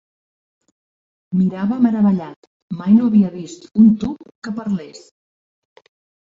Mirava meravellat, mai no havia vist un tub que parlés.